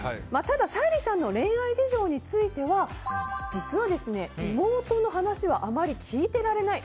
沙莉さんの恋愛事情については実は、妹の話はあまり聞いていられない。